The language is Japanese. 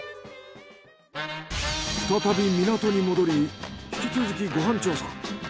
再び港に戻り引き続きご飯調査。